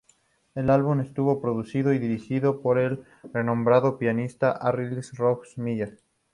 El álbum estuvo producido y dirigido por el renombrado pianista y arreglista Jorge Millet.